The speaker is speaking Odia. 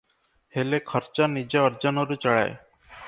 ହେଲେ ଖର୍ଚ୍ଚ ନିଜ ଅର୍ଜନରୁ ଚଳାଏ ।